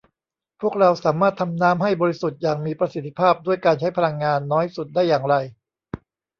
พวกเราสามารถทำน้ำให้บริสุทธิ์อย่างมีประสิทธิภาพด้วยการใช้พลังงานน้อยสุดได้อย่างไร